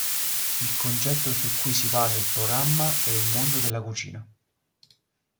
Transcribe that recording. Il concetto su cui si basa il programma è il mondo della cucina.